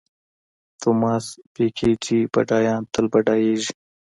توماس پیکیټي بډایان تل بډایېږي.